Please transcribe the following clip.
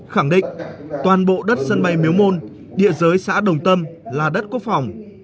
khẳng định toàn bộ đất sân bay miếu môn địa giới xã đồng tâm là đất quốc phòng